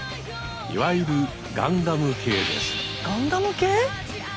いわゆるガンダム系です。